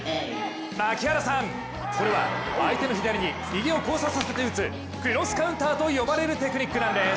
槙原さん、これは相手の左に右を交差させて打つクロスカウンターと呼ばれるテクニックなんです。